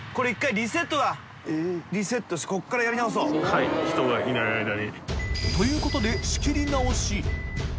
はい人がいないあいだに。